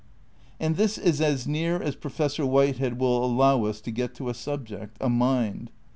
And this is as near as Professor Whitehead will allow us to get to a subject, a mind.